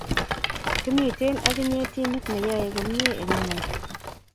Kimiten agiche timit neyoe komnyei eng ngweny